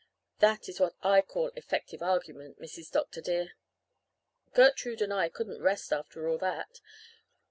That is what I call effective argument, Mrs. Dr. dear.' "Gertrude and I couldn't rest after all that.